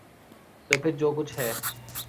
تو پھر جو کچھ ہے۔